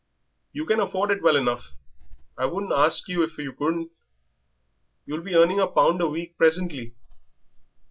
"You can afford it well enough I wouldn't ask you if you couldn't. You'll be earning a pound a week presently."